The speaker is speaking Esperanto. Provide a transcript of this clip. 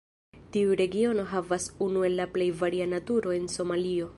Tiu regiono havas unu el la plej varia naturo en Somalio.